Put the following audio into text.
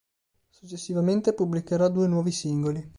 Successivamente pubblicherà due nuovi singoli.